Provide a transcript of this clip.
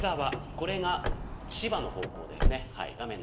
これが千葉の方向です。